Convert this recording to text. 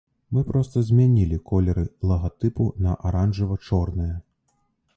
Мы проста змянілі колеры лагатыпу на аранжава-чорныя.